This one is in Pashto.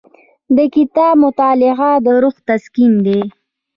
د کتاب مطالعه د روح تسکین دی.